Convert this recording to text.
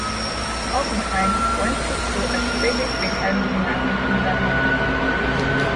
Oppenheim went to school at Friedrich Wilhelm Gymnasium in Berlin.